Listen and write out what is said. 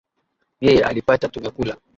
Yeye alipata tumekula